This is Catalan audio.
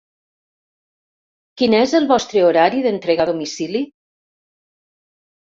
Quin és el vostre horari d'entrega a domicili?